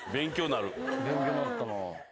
勉強なったな。